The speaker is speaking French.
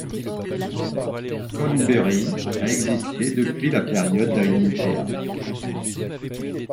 Chonburi a existé depuis la période d'Ayutthaya.